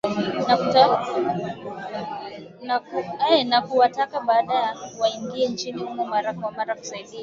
na kuwataka badala yake waingie nchini humo mara kwa mara kusaidia